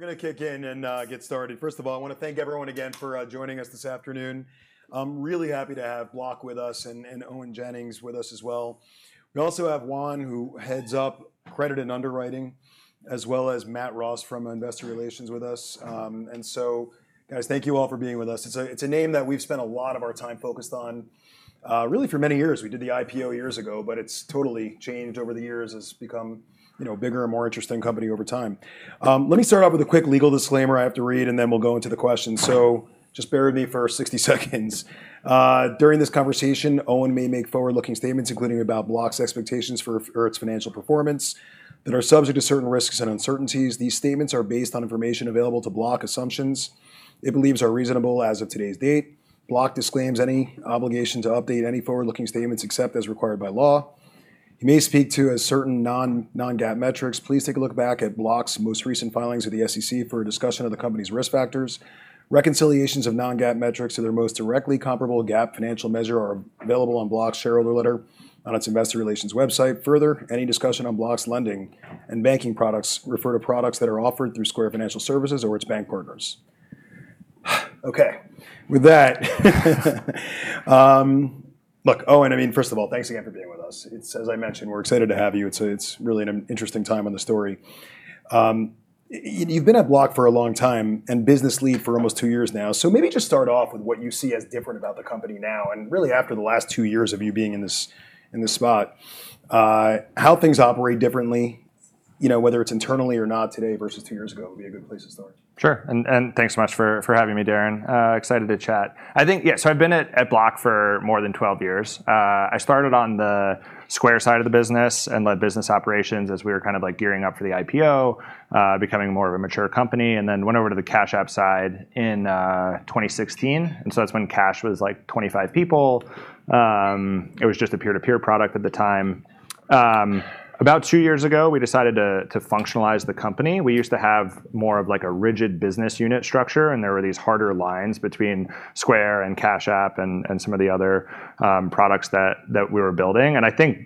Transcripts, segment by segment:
We're gonna kick in and get started. First of all, I wanna thank everyone again for joining us this afternoon. I'm really happy to have Block with us and Owen Jennings with us as well. We also have Juan, who heads up credit and underwriting, as well as Matthew Ross from investor relations with us. Guys, thank you all for being with us. It's a name that we've spent a lot of our time focused on, really for many years. We did the IPO years ago, but it's totally changed over the years. It's become, you know, bigger and more interesting company over time. Let me start off with a quick legal disclaimer I have to read, and then we'll go into the questions. Just bear with me for 60 seconds. During this conversation, Owen may make forward-looking statements, including about Block's expectations for its financial performance that are subject to certain risks and uncertainties. These statements are based on information available to Block, assumptions it believes are reasonable as of today's date. Block disclaims any obligation to update any forward-looking statements except as required by law. He may speak to a certain non-GAAP metrics. Please take a look back at Block's most recent filings with the SEC for a discussion of the company's risk factors. Reconciliations of non-GAAP metrics to their most directly comparable GAAP financial measure are available on Block's shareholder letter on its investor relations website. Further, any discussion on Block's lending and banking products refer to products that are offered through Square Financial Services or its bank partners. Okay. With that, look, Owen, I mean, first of all, thanks again for being with us. It's as I mentioned, we're excited to have you. It's really an interesting time on the story. You've been at Block for a long time and business lead for almost two years now. So maybe just start off with what you see as different about the company now, and really after the last two years of you being in this spot, how things operate differently, you know, whether it's internally or not today versus two years ago would be a good place to start. Sure. Thanks so much for having me, Darrin. Excited to chat. I think, yeah, so I've been at Block for more than 12 years. I started on the Square side of the business and led business operations as we were kind of like gearing up for the IPO, becoming more of a mature company, and then went over to the Cash App side in 2016. That's when Cash was like 25 people. It was just a peer-to-peer product at the time. About two years ago, we decided to functionalize the company. We used to have more of like a rigid business unit structure, and there were these harder lines between Square and Cash App and some of the other products that we were building. I think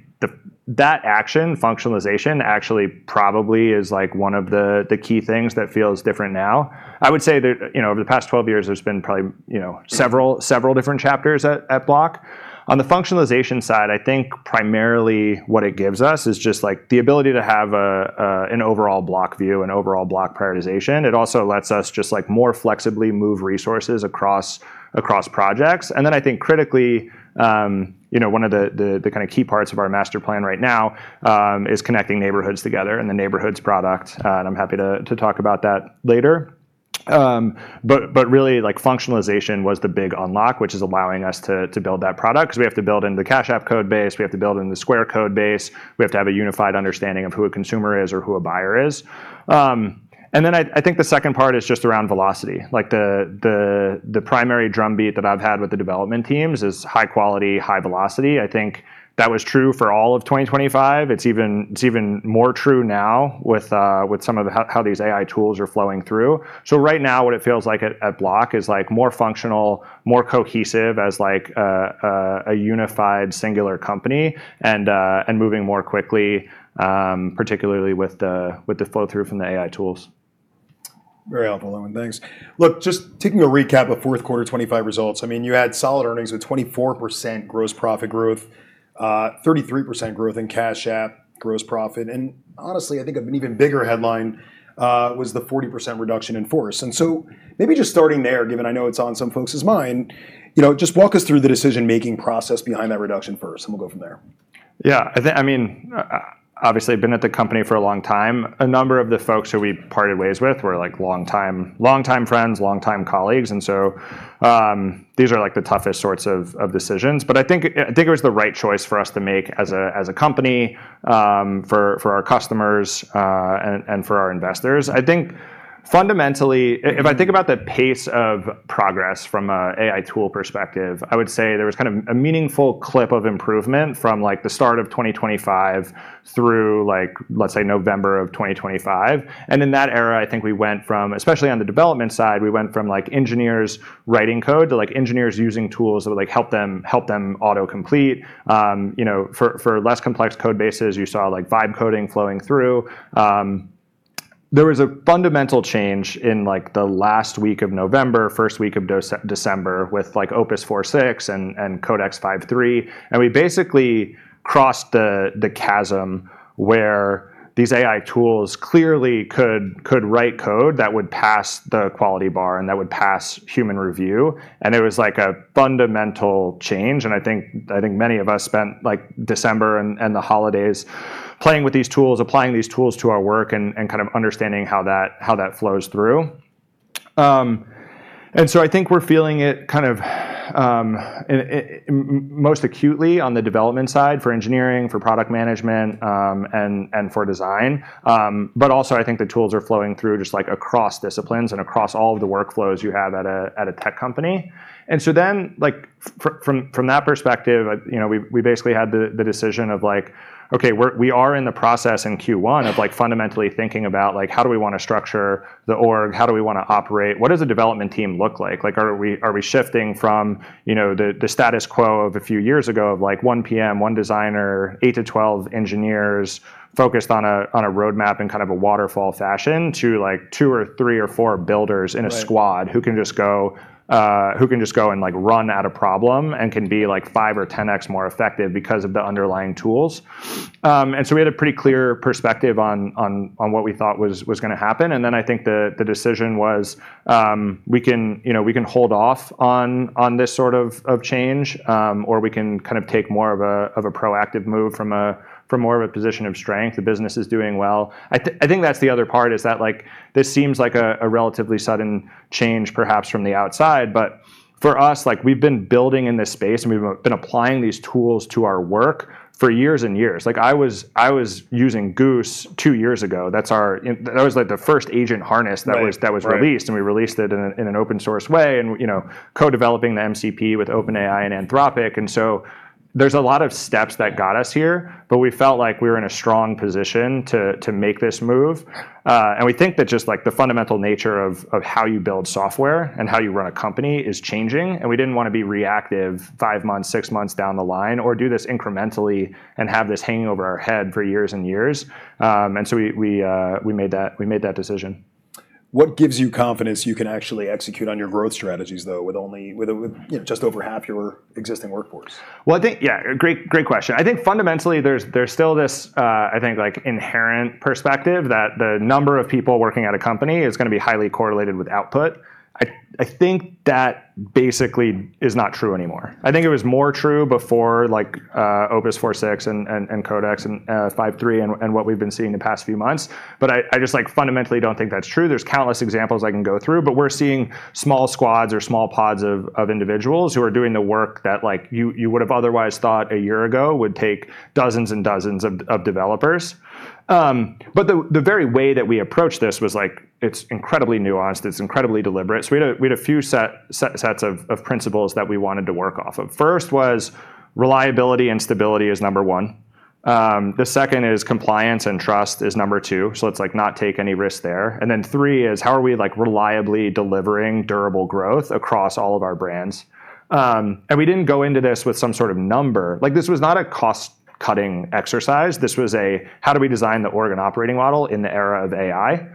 that action, functionalization, actually probably is like one of the key things that feels different now. I would say that, you know, over the past 12 years, there's been probably, you know, several different chapters at Block. On the functionalization side, I think primarily what it gives us is just like the ability to have an overall Block view, an overall Block prioritization. It also lets us just like more flexibly move resources across projects. I think critically, you know, one of the kinda key parts of our master plan right now is connecting neighborhoods together and the Neighborhoods product. I'm happy to talk about that later. Really, like functionalization was the big unlock, which is allowing us to build that product, 'cause we have to build in the Cash App code base, we have to build in the Square code base, we have to have a unified understanding of who a consumer is or who a buyer is. Then I think the second part is just around velocity. Like the primary drumbeat that I've had with the development teams is high quality, high velocity. I think that was true for all of 2025. It's even more true now with some of how these AI tools are flowing through. Right now, what it feels like at Block is like more functional, more cohesive as like a unified singular company and moving more quickly, particularly with the flow-through from the AI tools. Very helpful, Owen. Thanks. Look, just taking a recap of fourth quarter 2025 results. I mean, you had solid earnings with 24% gross profit growth, thirty-three percent growth in Cash App gross profit. Honestly, I think an even bigger headline was the 40% reduction in force. Maybe just starting there, given I know it's on some folks' mind, you know, just walk us through the decision-making process behind that reduction first, and we'll go from there. Yeah. I think, I mean, obviously, I've been at the company for a long time. A number of the folks who we parted ways with were like longtime friends, longtime colleagues. These are like the toughest sorts of decisions. I think it was the right choice for us to make as a company for our customers and for our investors. I think fundamentally, if I think about the pace of progress from an AI tool perspective, I would say there was kind of a meaningful clip of improvement from like the start of 2025 through like, let's say, November of 2025. In that era, I think we went from, especially on the development side, we went from like engineers writing code to like engineers using tools that would like help them auto-complete. You know, for less complex codebases, you saw like live coding flowing through. There was a fundamental change in like the last week of November, first week of December with like Opus 4.6 and Codex 5.3. We basically crossed the chasm where these AI tools clearly could write code that would pass the quality bar and that would pass human review. It was like a fundamental change. I think many of us spent like December and the holidays playing with these tools, applying these tools to our work and kind of understanding how that flows through. I think we're feeling it kind of most acutely on the development side for engineering, for product management, and for design. I think the tools are flowing through just, like, across disciplines and across all of the workflows you have at a tech company. Like, from that perspective, you know, we basically had the decision of like, okay, we are in the process in Q1 of, like, fundamentally thinking about, like, how do we wanna structure the org? How do we wanna operate? What does a development team look like? Like, are we shifting from, you know, the status quo of a few years ago of, like, 1 PM, 1 designer, 8-12 engineers focused on a roadmap in kind of a waterfall fashion to, like, two or three or four builders in a squad who can just go and, like, run at a problem and can be like 5 or 10x more effective because of the underlying tools. We had a pretty clear perspective on what we thought was gonna happen. I think the decision was, we can hold off on this sort of change, or we can kind of take more of a proactive move from more of a position of strength. The business is doing well. I think that's the other part is that, like, this seems like a relatively sudden change perhaps from the outside, but for us, like, we've been building in this space and we've been applying these tools to our work for years and years. Like, I was using Goose two years ago. That was, like, the first agent harness that was. Right, right. That was released, and we released it in an open-source way and, you know, co-developing the MCP with OpenAI and Anthropic. There's a lot of steps that got us here, but we felt like we were in a strong position to make this move. We think that just, like, the fundamental nature of how you build software and how you run a company is changing, and we didn't wanna be reactive five months, six months down the line or do this incrementally and have this hanging over our head for years and years. We made that decision. What gives you confidence you can actually execute on your growth strategies, though, with only you know just over half your existing workforce? Well, I think. Yeah. Great question. I think fundamentally, there's still this, I think, like, inherent perspective that the number of people working at a company is gonna be highly correlated with output. I think that basically is not true anymore. I think it was more true before, like, Claude Opus 4.6 and Codex and 5.3 and what we've been seeing the past few months, but I just, like, fundamentally don't think that's true. There's countless examples I can go through, but we're seeing small squads or small pods of individuals who are doing the work that, like, you would have otherwise thought a year ago would take dozens and dozens of developers. The very way that we approached this was like, it's incredibly nuanced, it's incredibly deliberate. We had a few sets of principles that we wanted to work off of. First was reliability and stability, number one. The second is compliance and trust, number two, so it's like not take any risks there. Three is how are we, like, reliably delivering durable growth across all of our brands? We didn't go into this with some sort of number. Like, this was not a cost-cutting exercise. This was how do we design the org and operating model in the era of AI.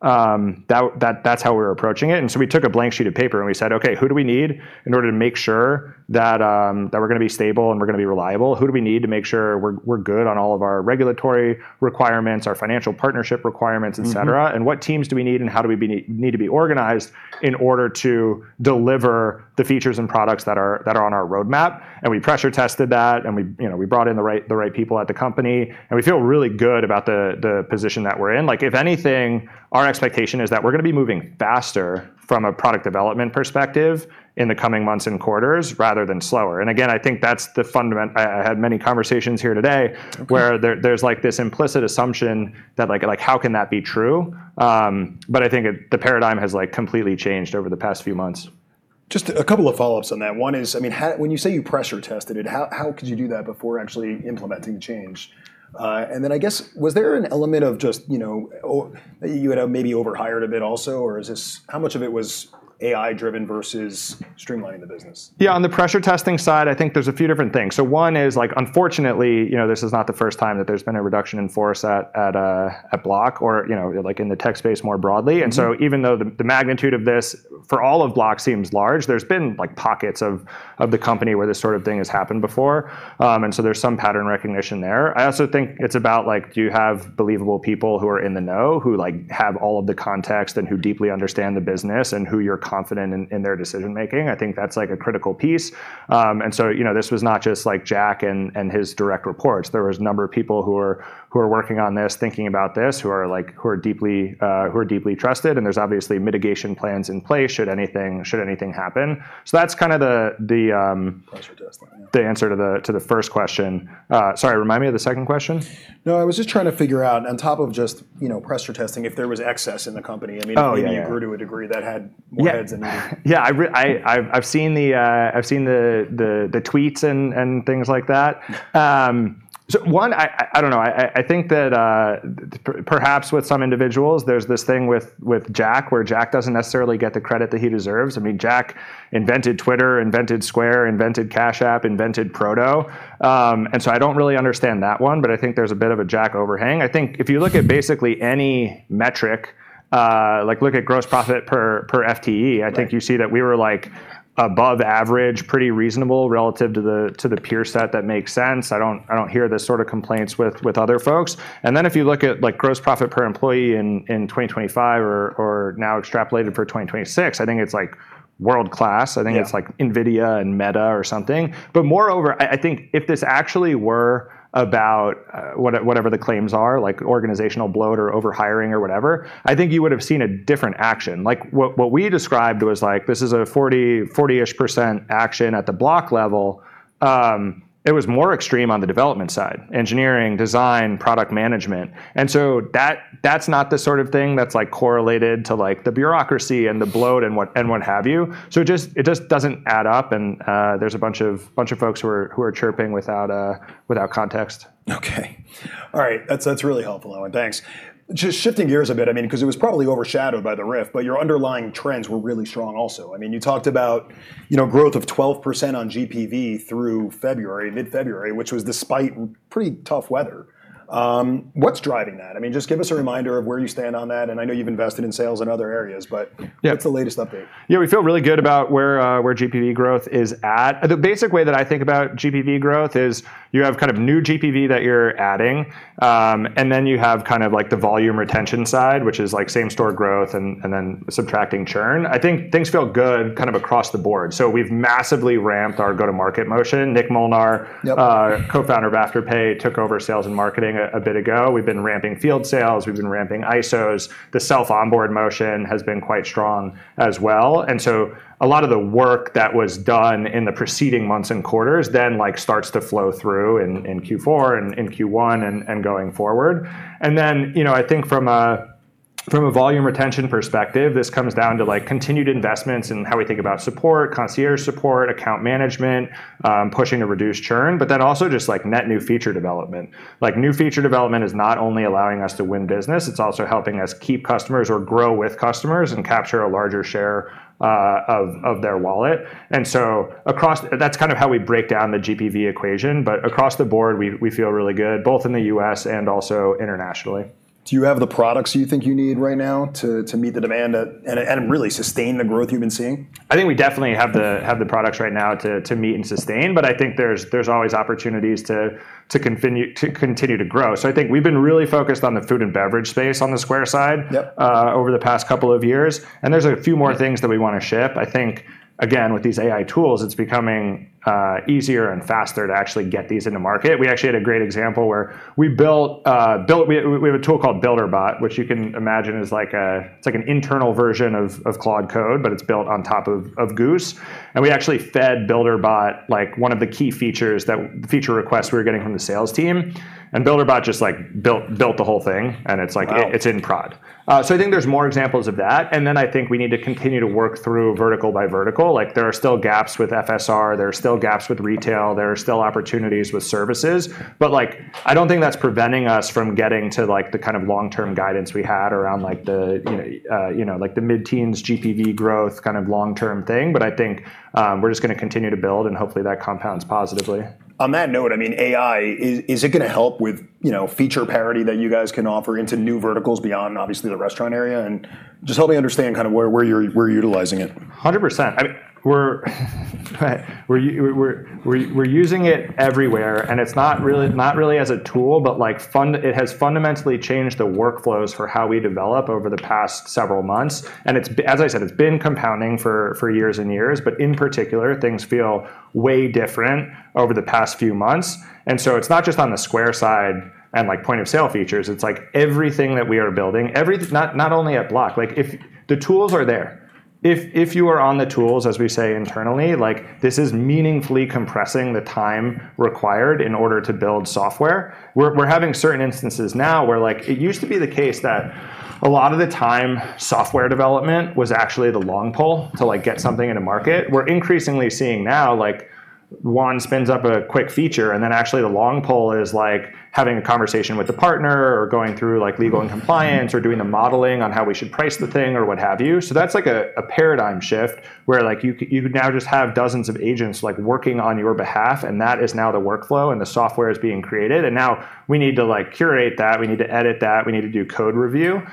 That's how we were approaching it. We took a blank sheet of paper and we said, "Okay. Who do we need in order to make sure that we're gonna be stable and we're gonna be reliable? Who do we need to make sure we're good on all of our regulatory requirements, our financial partnership requirements, etc. what teams do we need and how do we need to be organized in order to deliver the features and products that are on our roadmap? We pressure tested that and we, you know, we brought in the right people at the company, and we feel really good about the position that we're in. Like, if anything, our expectation is that we're gonna be moving faster from a product development perspective in the coming months and quarters rather than slower. I think that's the fundamentals. I had many conversations here today. Okay Where there's like this implicit assumption that like how can that be true? I think the paradigm has like completely changed over the past few months. Just a couple of follow-ups on that. One is, I mean, when you say you pressure tested it, how could you do that before actually implementing change? I guess, was there an element of just, you know, you had maybe overhired a bit also, or is this how much of it was AI-driven versus streamlining the business? Yeah, on the pressure testing side, I think there's a few different things. One is, like, unfortunately, you know, this is not the first time that there's been a reduction in force at Block or, you know, like in the tech space more broadly. Even though the magnitude of this for all of Block seems large, there have been pockets of the company where this sort of thing has happened before. There's some pattern recognition there. I also think it's about do you have believable people who are in the know, who have all of the context and who deeply understand the business and who you're confident in their decision-making. I think that's a critical piece. This was not just Jack and his direct reports. There was a number of people who are working on this, thinking about this, who are deeply trusted, and there's obviously mitigation plans in place should anything happen. That's kinda the. Pressure testing. The answer to the first question. Sorry, remind me of the second question. No, I was just trying to figure out on top of just, you know, pressure testing if there was excess in the company. I mean. Oh, yeah. Maybe you grew to a degree that had more heads than body. Yeah. I've seen the tweets and things like that. I don't know, I think that perhaps with some individuals there's this thing with Jack where Jack doesn't necessarily get the credit that he deserves. I mean, Jack invented X, invented Square, invented Cash App, invented Proto. I don't really understand that one, but I think there's a bit of a Jack overhang. I think if you look at basically any metric, like look at gross profit per FTE. Right I think you see that we were like above average, pretty reasonable relative to the peer set that makes sense. I don't hear the sort of complaints with other folks. If you look at like gross profit per employee in 2025 or now extrapolated for 2026, I think it's like world-class. Yeah. I think it's like NVIDIA and Meta or something. Moreover, I think if this actually were about whatever the claims are, like organizational bloat or over-hiring or whatever, I think you would've seen a different action. Like what we described was like this is a 40-ish% action at the Block level. It was more extreme on the development side, engineering, design, product management. That's not the sort of thing that's like correlated to like the bureaucracy and the bloat and what have you. It just doesn't add up and there's a bunch of folks who are chirping without context. Okay. All right. That's really helpful, Owen. Thanks. Just shifting gears a bit, I mean, 'cause it was probably overshadowed by the RIF, but your underlying trends were really strong also. I mean, you talked about, you know, growth of 12% on GPV through February, mid-February, which was despite pretty tough weather. What's driving that? I mean, just give us a reminder of where you stand on that, and I know you've invested in sales in other areas, but- Yeah What's the latest update? Yeah, we feel really good about where GPV growth is at. The basic way that I think about GPV growth is you have kind of new GPV that you're adding, and then you have kind of like the volume retention side, which is like same store growth and then subtracting churn. I think things feel good kind of across the board. We've massively ramped our go-to-market motion. Nick Molnar Co-founder of Afterpay took over sales and marketing a bit ago. We've been ramping field sales. We've been ramping ISOs. The self-onboard motion has been quite strong as well. A lot of the work that was done in the preceding months and quarters then like starts to flow through in Q4 and in Q1 and going forward. You know, I think from a volume retention perspective, this comes down to like continued investments in how we think about support, concierge support, account management, pushing to reduce churn, but then also just like net new feature development. Like, new feature development is not only allowing us to win business, it's also helping us keep customers or grow with customers and capture a larger share of their wallet. Across that's kind of how we break down the GPV equation, but across the board, we feel really good, both in the U.S. and also internationally. Do you have the products you think you need right now to meet the demand and really sustain the growth you've been seeing? I think we definitely have the products right now to meet and sustain, but I think there's always opportunities to continue to grow. I think we've been really focused on the food and beverage space on the Square side. Over the past couple of years, and there's a few more things that we wanna ship. I think, again, with these AI tools, it's becoming easier and faster to actually get these into market. We actually had a great example. We have a tool called Builder Bot, which you can imagine is like a, it's like an internal version of Claude Code, but it's built on top of Goose. We actually fed Builder Bot like one of the key feature requests we were getting from the sales team, and Builder Bot just like built the whole thing, and it's like it's in prod. I think there's more examples of that, and then I think we need to continue to work through vertical by vertical. Like, there are still gaps with FSR. There are still gaps with retail. There are still opportunities with services. Like, I don't think that's preventing us from getting to like the kind of long-term guidance we had around like the, you know, you know, like the mid-teens GPV growth kind of long-term thing. I think, we're just gonna continue to build, and hopefully that compounds positively. On that note, I mean, AI, is it gonna help with, you know, feature parity that you guys can offer into new verticals beyond obviously the restaurant area? Just help me understand kind of where you're utilizing it. 100%. I mean, we're using it everywhere, and it's not really as a tool. It has fundamentally changed the workflows for how we develop over the past several months. As I said, it's been compounding for years and years, but in particular, things feel way different over the past few months. It's not just on the Square side and like point-of-sale features, it's like everything that we are building, not only at Block. Like if the tools are there. If you are on the tools, as we say internally, like this is meaningfully compressing the time required in order to build software. We're having certain instances now where like it used to be the case that a lot of the time software development was actually the long pole to like get something in the market. We're increasingly seeing now, like Juan spins up a quick feature, and then actually the long pole is like having a conversation with the partner or going through like legal and compliance or doing the modeling on how we should price the thing or what have you. That's like a paradigm shift where like you could now just have dozens of agents like working on your behalf, and that is now the workflow, and the software is being created. Now we need to like curate that. We need to edit that. We need to do code review.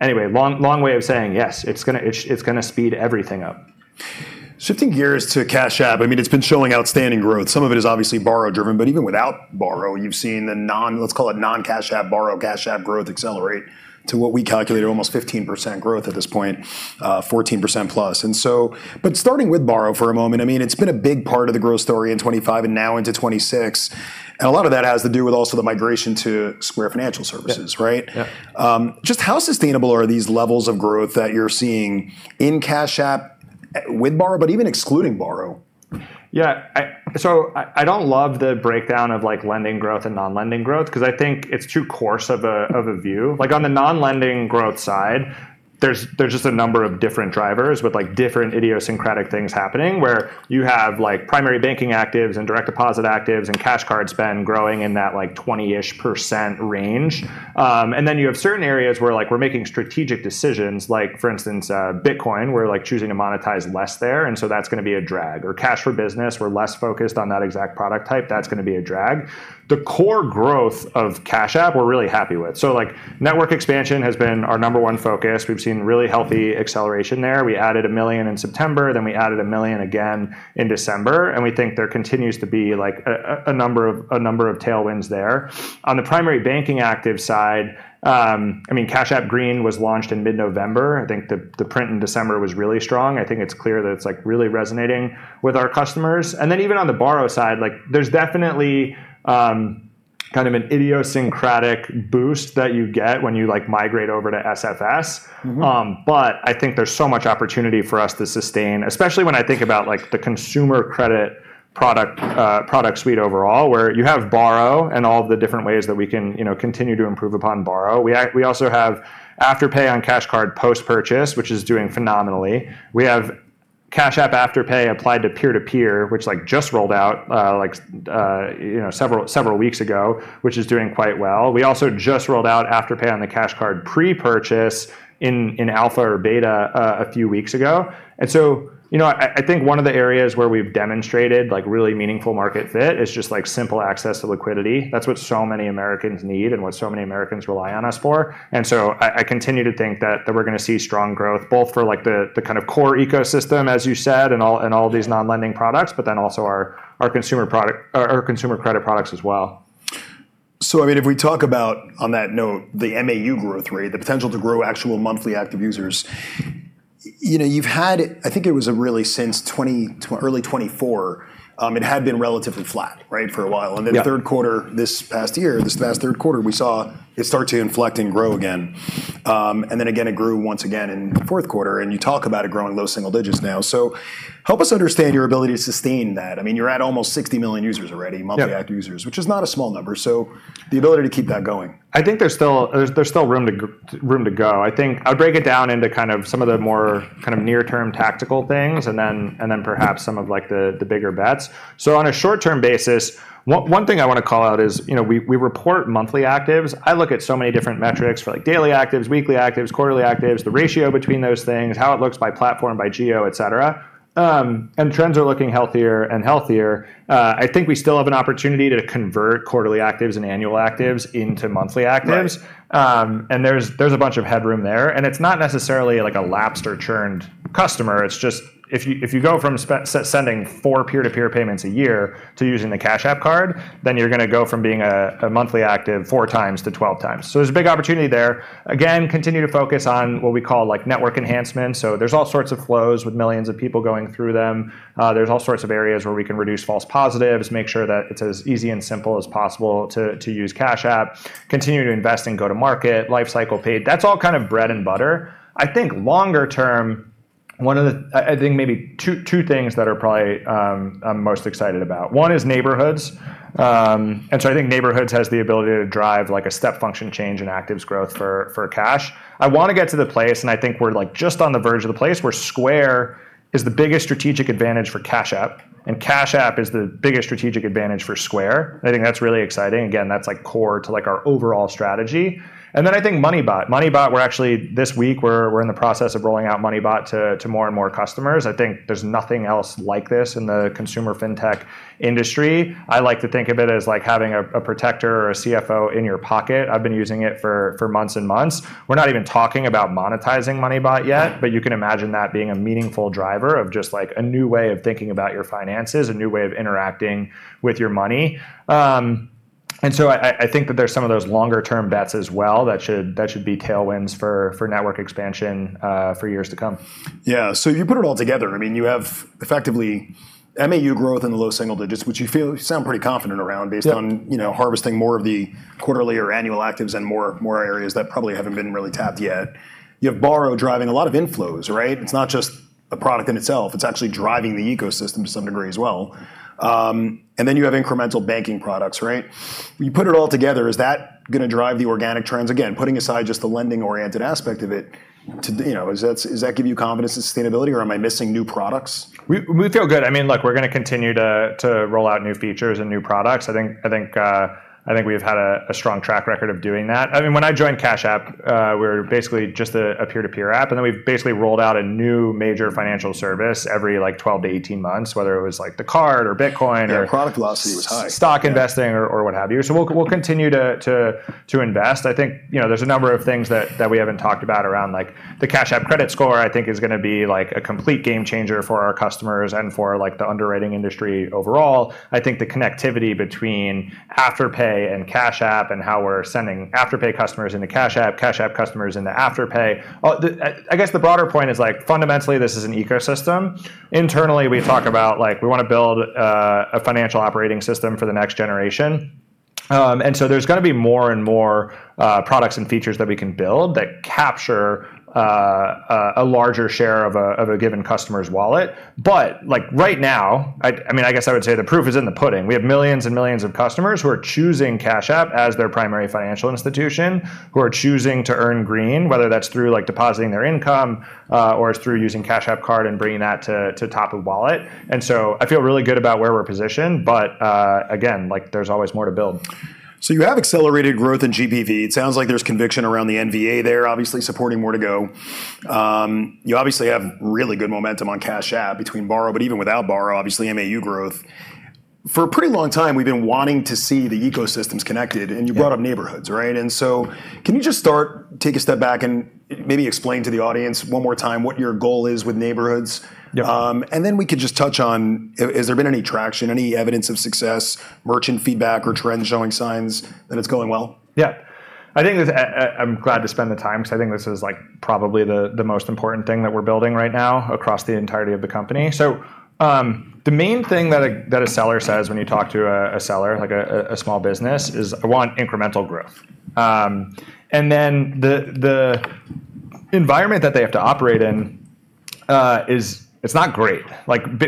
Anyway, long, long way of saying, yes, it's gonna speed everything up. Shifting gears to Cash App, I mean, it's been showing outstanding growth. Some of it is obviously Borrow driven, but even without Borrow, you've seen the non, let's call it non-Cash App Borrow Cash App growth accelerate to what we calculated almost 15% growth at this point, +14%. Starting with Borrow for a moment, I mean, it's been a big part of the growth story in 2025 and now into 2026, and a lot of that has to do with also the migration to Square Financial Services. Yeah Right? Yeah. Just how sustainable are these levels of growth that you're seeing in Cash App? With Borrow, but even excluding Borrow. Yeah, so I don't love the breakdown of like lending growth and non-lending growth, because I think it's too coarse of a view. Like, on the non-lending growth side, there's just a number of different drivers with like different idiosyncratic things happening, where you have like primary banking actives and direct deposit actives and Cash Card spend growing in that like 20%-ish range. And then you have certain areas where like we're making strategic decisions like, for instance, Bitcoin, we're like choosing to monetize less there, and so that's gonna be a drag. Or Cash for Business, we're less focused on that exact product type. That's gonna be a drag. The core growth of Cash App we're really happy with, so like network expansion has been our number one focus. We've seen really healthy acceleration there. We added 1 million in September, then we added 1 million again in December, and we think there continues to be like a number of tailwinds there. On the primary banking active side, I mean, Cash App Green was launched in mid-November. I think the print in December was really strong. I think it's clear that it's like really resonating with our customers. Even on the Borrow side, like there's definitely kind of an idiosyncratic boost that you get when you like migrate over to SFS. I think there's so much opportunity for us to sustain, especially when I think about like the consumer credit product suite overall, where you have Borrow and all the different ways that we can, you know, continue to improve upon Borrow. We also have Afterpay on Cash App Card post-purchase, which is doing phenomenally. We have Cash App Afterpay applied to peer-to-peer, which like just rolled out, like, you know, several weeks ago, which is doing quite well. We also just rolled out Afterpay on the Cash App Card pre-purchase in alpha or beta, a few weeks ago. You know, I think one of the areas where we've demonstrated like really meaningful market fit is just like simple access to liquidity. That's what so many Americans need and what so many Americans rely on us for. I continue to think that we're gonna see strong growth both for like the kind of core ecosystem, as you said, and all of these non-lending products, but then also our consumer product or our consumer credit products as well. I mean, if we talk about on that note, the MAU growth rate, the potential to grow actual monthly active users, you know, you've had, I think it was already since early 2024, it had been relatively flat, right, for a while. Yeah. The third quarter this past year, this past third quarter, we saw it start to inflect and grow again. It grew once again in the fourth quarter, and you talk about it growing low single digits now. Help us understand your ability to sustain that. I mean, you're at almost 60 million users already. Yeah Monthly active users, which is not a small number, so the ability to keep that going. I think there's still room to go. I think I would break it down into kind of some of the more kind of near-term tactical things, and then perhaps some of like the bigger bets. On a short-term basis, one thing I wanna call out is, you know, we report monthly actives. I look at so many different metrics for like daily actives, weekly actives, quarterly actives, the ratio between those things, how it looks by platform, by geo, etc.. Trends are looking healthier and healthier. I think we still have an opportunity to convert quarterly actives and annual actives into monthly actives. Right. There's a bunch of headroom there, and it's not necessarily like a lapsed or churned customer. It's just if you go from sending four peer-to-peer payments a year to using the Cash App Card, then you're gonna go from being a monthly active 4 times - 12 times. So there's a big opportunity there. Again, continue to focus on what we call like network enhancements, so there's all sorts of flows with millions of people going through them. There's all sorts of areas where we can reduce false positives, make sure that it's as easy and simple as possible to use Cash App, continue to invest in go-to-market, lifecycle paid. That's all kind of bread and butter. I think longer term, one of the I think maybe two things that are probably I'm most excited about. One is Neighborhoods. I think Neighborhoods has the ability to drive like a step function change in actives growth for Cash. I wanna get to the place, and I think we're like just on the verge of the place, where Square is the biggest strategic advantage for Cash App, and Cash App is the biggest strategic advantage for Square. I think that's really exciting. Again, that's like core to like our overall strategy. I think Moneybot. Moneybot, we're actually this week we're in the process of rolling out Moneybot to more and more customers. I think there's nothing else like this in the consumer fintech industry. I like to think of it as like having a protector or a CFO in your pocket. I've been using it for months and months. We're not even talking about monetizing Moneybot yet. You can imagine that being a meaningful driver of just like a new way of thinking about your finances, a new way of interacting with your money. I think that there's some of those longer term bets as well that should be tailwinds for network expansion for years to come. Yeah, you put it all together, I mean, you have effectively MAU growth in the low single-digit percent, which you feel, you sound pretty confident around based on. Yep You know, harvesting more of the quarterly or annual actives and more areas that probably haven't been really tapped yet. You have Borrow driving a lot of inflows, right? It's not just a product in itself, it's actually driving the ecosystem to some degree as well. And then you have incremental banking products, right? You put it all together, is that gonna drive the organic trends? Again, putting aside just the lending-oriented aspect of it to, you know, does that give you confidence in sustainability or am I missing new products? We feel good. I mean, look, we're gonna continue to roll out new features and new products. I think we've had a strong track record of doing that. I mean, when I joined Cash App, we were basically just a peer-to-peer app, and then we've basically rolled out a new major financial service every like 12-18 months, whether it was like the card or Bitcoin or stock investing or what have you. Yeah, product velocity was high. We'll continue to invest. I think, you know, there's a number of things that we haven't talked about around like the Cash App Score. I think is gonna be like a complete game changer for our customers and for like the underwriting industry overall. I think the connectivity between Afterpay and Cash App and how we're sending Afterpay customers into Cash App, Cash App customers into Afterpay. I guess the broader point is like fundamentally this is an ecosystem. Internally we talk about like we wanna build a financial operating system for the next generation. There's gonna be more and more products and features that we can build that capture a larger share of a given customer's wallet. Like, right now, I mean, I guess I would say the proof is in the pudding. We have millions and millions of customers who are choosing Cash App as their primary financial institution, who are choosing to earn green, whether that's through, like, depositing their income, or it's through using Cash App Card and bringing that to top of wallet. I feel really good about where we're positioned, again, like, there's always more to build. You have accelerated growth in GPV. It sounds like there's conviction around the NVA there, obviously supporting where to go. You obviously have really good momentum on Cash App Borrow, but even without Borrow, obviously MAU growth. For a pretty long time, we've been wanting to see the ecosystems connected. Yeah You brought up Neighborhoods, right? Can you just start, take a step back, and maybe explain to the audience one more time what your goal is with Neighborhoods? Yeah. We could just touch on has there been any traction, any evidence of success, merchant feedback or trends showing signs that it's going well? Yeah. I think that I'm glad to spend the time 'cause I think this is, like, probably the most important thing that we're building right now across the entirety of the company. The main thing that a seller says when you talk to a seller, like a small business, is, "I want incremental growth." The environment that they have to operate in is. It's not great.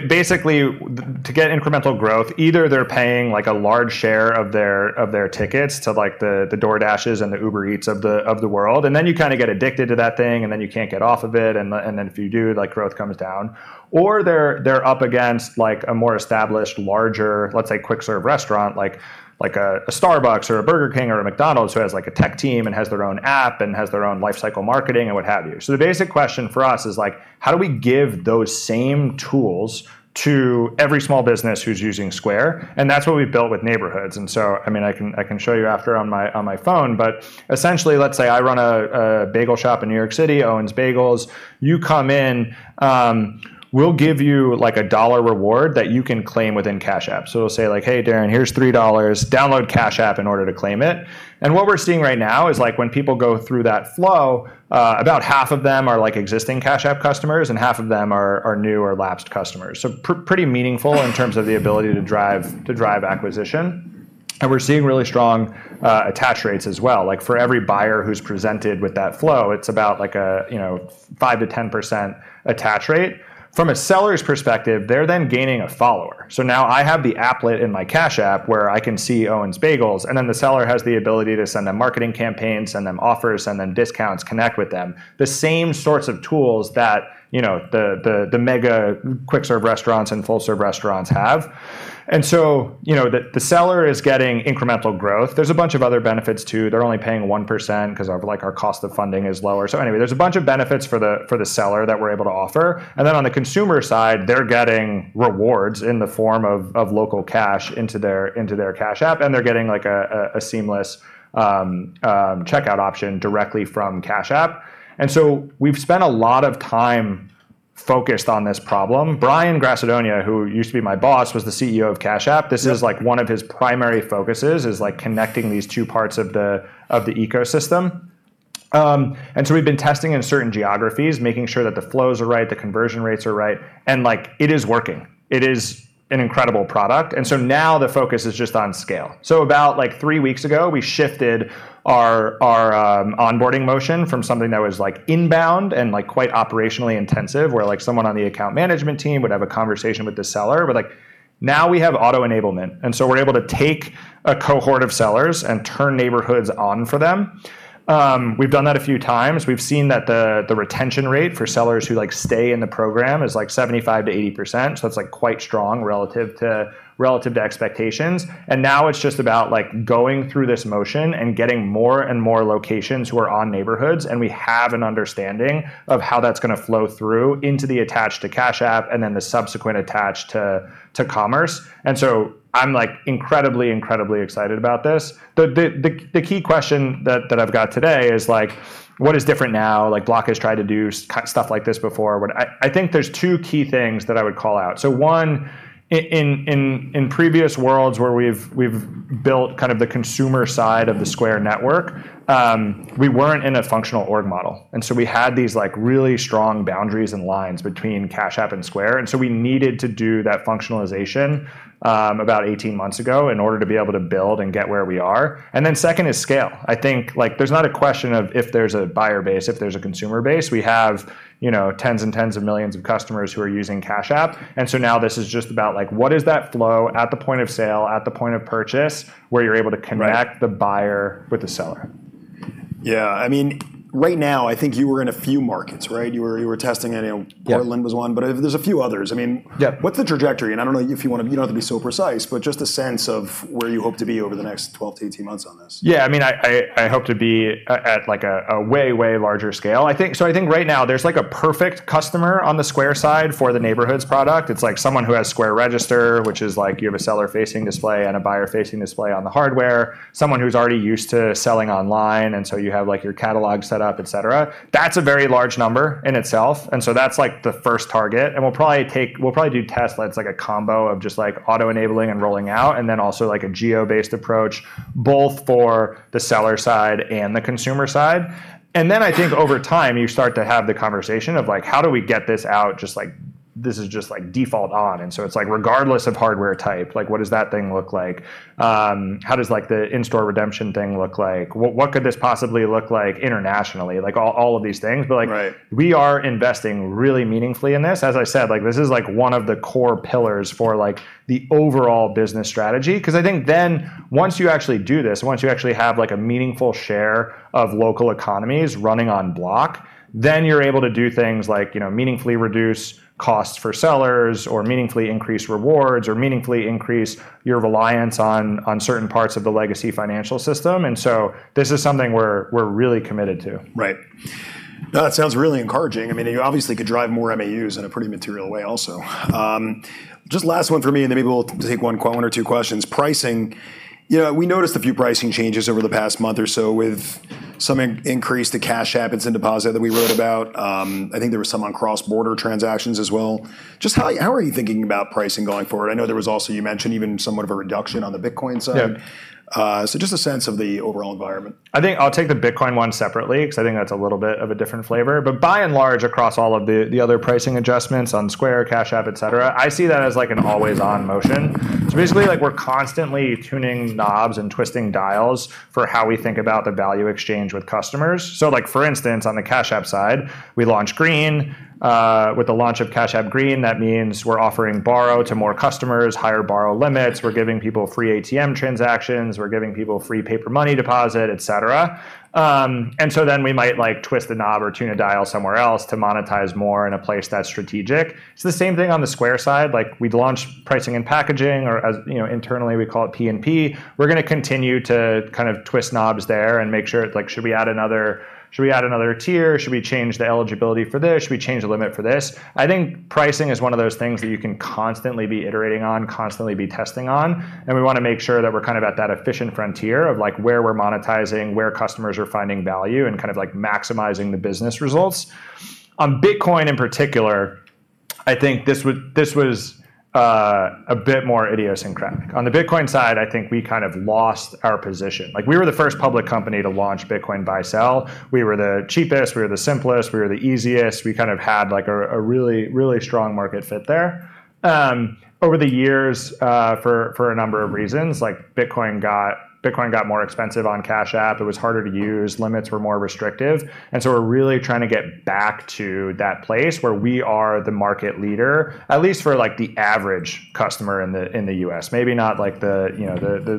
Basically to get incremental growth, either they're paying, like, a large share of their tickets to, like, the DoorDash and the Uber Eats of the world, and then you kinda get addicted to that thing, and then you can't get off of it, and then if you do, like, growth comes down, or they're up against, like, a more established, larger, let's say, quick-serve restaurant like a Starbucks or a Burger King or a McDonald's who has, like, a tech team and has their own app and has their own life cycle marketing and what have you. The basic question for us is, like, how do we give those same tools to every small business who's using Square? That's what we've built with Neighborhoods. I mean, I can show you after on my phone, but essentially, let's say I run a bagel shop in New York City, Owen's Bagels. You come in, we'll give you, like, a $1 million reward that you can claim within Cash App. It'll say, like, "Hey, Darren, here's $3 million. Download Cash App in order to claim it." What we're seeing right now is, like, when people go through that flow, about half of them are, like, existing Cash App customers, and half of them are new or lapsed customers. Pretty meaningful in terms of the ability to drive acquisition, and we're seeing really strong attach rates as well. Like, for every buyer who's presented with that flow, it's about, like, you know, 5%-10% attach rate. From a seller's perspective, they're then gaining a follower, so now I have the applet in my Cash App where I can see Owen's Bagels, and then the seller has the ability to send them marketing campaigns, send them offers, send them discounts, connect with them. The same sorts of tools that, you know, the mega quick-serve restaurants and full-serve restaurants have. You know, the seller is getting incremental growth. There's a bunch of other benefits too. They're only paying 1% 'cause our, like, our cost of funding is lower. Anyway, there's a bunch of benefits for the seller that we're able to offer, and then on the consumer side, they're getting rewards in the form of local cash into their Cash App, and they're getting, like a seamless checkout option directly from Cash App. We've spent a lot of time focused on this problem. Brian Grassadonia, who used to be my boss, was the CEO of Cash App. Yeah. This is, like, one of his primary focuses is, like, connecting these two parts of the ecosystem. We've been testing in certain geographies, making sure that the flows are right, the conversion rates are right, and, like, it is working. It is an incredible product, and now the focus is just on scale. About, like, three weeks ago, we shifted our onboarding motion from something that was, like, inbound and, like, quite operationally intensive, where, like, someone on the account management team would have a conversation with the seller. Now we have auto-enablement, and we're able to take a cohort of sellers and turn Neighborhoods on for them. We've done that a few times. We've seen that the retention rate for sellers who like stay in the program is like 75%-80%, so it's like quite strong relative to expectations. Now it's just about like going through this motion and getting more and more locations who are on Neighborhoods, and we have an understanding of how that's gonna flow through into the attach to Cash App and then the subsequent attach to commerce. I'm like incredibly excited about this. The key question that I've got today is like what is different now. Like Block has tried to do stuff like this before. I think there's two key things that I would call out. One, in previous worlds where we've built kind of the consumer side of the Square network, we weren't in a functional org model, and so we had these, like, really strong boundaries and lines between Cash App and Square. We needed to do that functionalization about 18 months ago in order to be able to build and get where we are. Second is scale. I think, like, there's not a question of if there's a buyer base, if there's a consumer base. We have, you know, tens and tens of millions of customers who are using Cash App, and so now this is just about, like, what is that flow at the point of sale, at the point of purchase, where you're able to connect. Right The buyer with the seller. Yeah. I mean, right now I think you were in a few markets, right? You were testing and, you know Portland was one, but, there's a few others. I mean what's the trajectory? I don't know if you wanna. You don't have to be so precise, but just a sense of where you hope to be over the next 12 to 18 months on this. Yeah. I mean, I hope to be at, like, a way larger scale. I think right now there's, like, a perfect customer on the Square side for the Neighborhoods product. It's, like, someone who has Square Register, which is, like, you have a seller-facing display and a buyer-facing display on the hardware. Someone who's already used to selling online, and so you have, like, your catalog set up, etc.. That's a very large number in itself, and so that's, like, the first target, and we'll probably do testlets, like a combo of just, like, auto-enabling and rolling out, and then also, like, a geo-based approach both for the seller side and the consumer side. I think over time you start to have the conversation of, like, how do we get this out just, like, This is just like default on, and so it's like regardless of hardware type, like what does that thing look like? How does like the in-store redemption thing look like? What could this possibly look like internationally? Like all of these things. Right. Like, we are investing really meaningfully in this. As I said, like, this is like one of the core pillars for like the overall business strategy. 'Cause I think then once you actually do this, once you actually have like a meaningful share of local economies running on Block, then you're able to do things like, you know, meaningfully reduce costs for sellers or meaningfully increase rewards or meaningfully increase your reliance on certain parts of the legacy financial system. This is something we're really committed to. Right. No, that sounds really encouraging. I mean, you obviously could drive more MAUs in a pretty material way also. Just last one for me, and then maybe we'll take one or two questions. Pricing, you know, we noticed a few pricing changes over the past month or so with some increase to Cash App instant deposit that we wrote about. I think there was some on cross-border transactions as well. Just how are you thinking about pricing going forward? I know there was also, you mentioned even somewhat of a reduction on the Bitcoin side. Yeah. Just a sense of the overall environment. I think I'll take the Bitcoin one separately because I think that's a little bit of a different flavor. By and large, across all of the other pricing adjustments on Square, Cash App, etc., I see that as like an always-on motion. Basically, like we're constantly tuning knobs and twisting dials for how we think about the value exchange with customers. Like for instance, on the Cash App side, we launched Green. With the launch of Cash App Green, that means we're offering Borrow to more customers, higher Borrow limits, we're giving people free ATM transactions, we're giving people free paper money deposit, etc.. We might like twist a knob or tune a dial somewhere else to monetize more in a place that's strategic. The same thing on the Square side, like we'd launched pricing and packaging, or as, you know, internally we call it PnP. We're gonna continue to kind of twist knobs there and make sure like should we add another tier? Should we change the eligibility for this? Should we change the limit for this? I think pricing is one of those things that you can constantly be iterating on, constantly be testing on, and we wanna make sure that we're kind of at that efficient frontier of like where we're monetizing, where customers are finding value, and kind of like maximizing the business results. On Bitcoin in particular, I think this was a bit more idiosyncratic. On the Bitcoin side, I think we kind of lost our position. Like we were the first public company to launch Bitcoin buy sell. We were the cheapest, we were the simplest, we were the easiest. We kind of had like a really strong market fit there. Over the years, for a number of reasons, like Bitcoin got more expensive on Cash App, it was harder to use, limits were more restrictive, and so we're really trying to get back to that place where we are the market leader, at least for like the average customer in the U.S. Maybe not like you know,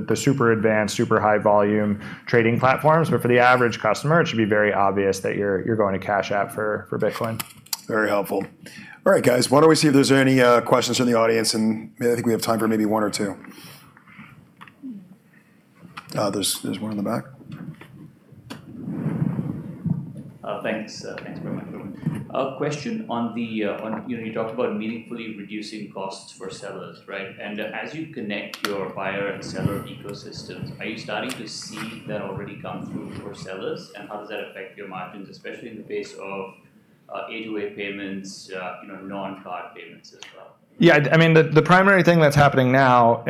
the super advanced, super high volume trading platforms. For the average customer, it should be very obvious that you're going to Cash App for Bitcoin. Very helpful. All right, guys. Why don't we see if there's any questions from the audience, and I think we have time for maybe one or two. There's one in the back. Thanks very much. A question on the, you know, you talked about meaningfully reducing costs for sellers, right? As you connect your buyer and seller ecosystems, are you starting to see that already come through for sellers, and how does that affect your margins, especially in the face of A2A payments, you know, non-card payments as well? Yeah, I mean, the primary thing that's happening now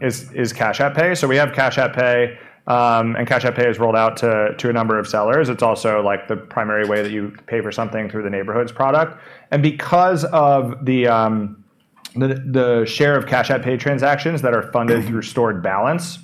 is Cash App Pay. We have Cash App Pay, and Cash App Pay is rolled out to a number of sellers. It's also like the primary way that you pay for something through the Neighborhoods product. Because of the share of Cash App Pay transactions that are funded through stored balance,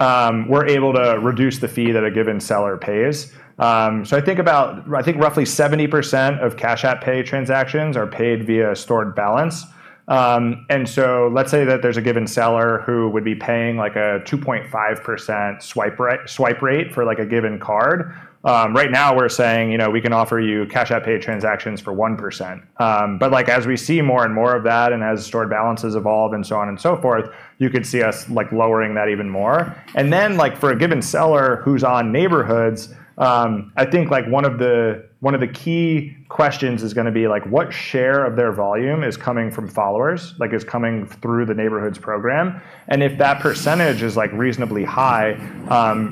we're able to reduce the fee that a given seller pays. I think roughly 70% of Cash App Pay transactions are paid via stored balance. Let's say that there's a given seller who would be paying like a 2.5% swipe rate for like a given card. Right now we're saying, you know, we can offer you Cash App Pay transactions for 1%. Like as we see more and more of that and as stored balances evolve and so on and so forth, you could see us like lowering that even more. Then like for a given seller who's on Neighborhoods, I think like one of the key questions is gonna be like what share of their volume is coming from followers, like is coming through the Neighborhoods program? If that percentage is like reasonably high,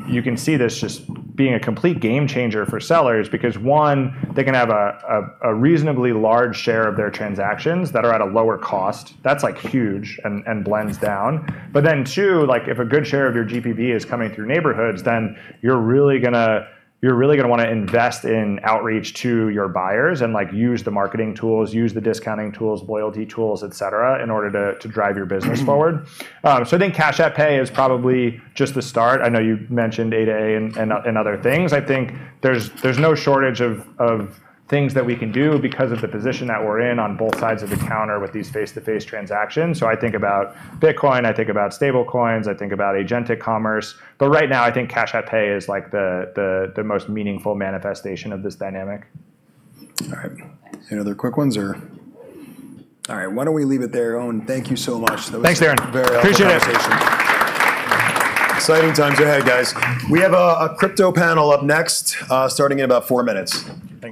you can see this just being a complete game changer for sellers because, one, they can have a reasonably large share of their transactions that are at a lower cost. That's like huge and blends down. Too, like if a good share of your GPV is coming through Neighborhoods, then you're really gonna wanna invest in outreach to your buyers and like use the marketing tools, use the discounting tools, loyalty tools, etc., in order to drive your business forward. I think Cash App Pay is probably just the start. I know you mentioned A2A and other things. I think there's no shortage of things that we can do because of the position that we're in on both sides of the counter with these face-to-face transactions. I think about Bitcoin. I think about stablecoins. I think about agentic commerce. Right now, I think Cash App Pay is like the most meaningful manifestation of this dynamic. All right. Any other quick ones? All right. Why don't we leave it there, Owen? Thank you so much. Thanks, Darrin. A very helpful conversation. Appreciate it. Exciting times ahead, guys. We have a crypto panel up next, starting in about four minutes. Thanks.